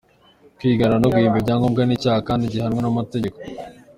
Kwigana no guhimba ibyangombwa ni icyaha kandi gihanwa n’amategeko.